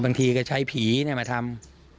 บางทีก็ใช้ผีมาทำ